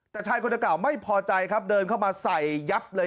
แต่ชายคนเก่าไม่พอใจครับเดินเข้ามาใส่ยับเลย